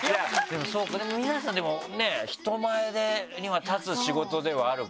でもそうか皆さんでも人前には立つ仕事ではあるから。